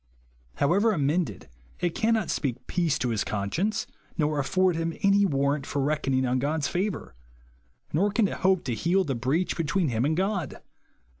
However amended, it cannot speak peace to his conscience, nor afford him any war rant for reckoning on God's favour; nor can it help to heal the breach between him aud God.